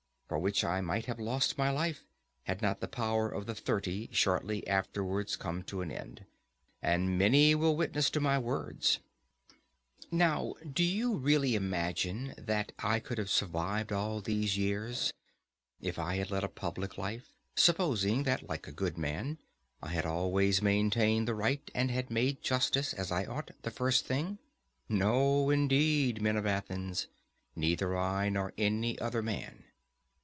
For which I might have lost my life, had not the power of the Thirty shortly afterwards come to an end. And many will witness to my words. Now do you really imagine that I could have survived all these years, if I had led a public life, supposing that like a good man I had always maintained the right and had made justice, as I ought, the first thing? No indeed, men of Athens, neither I nor any other man.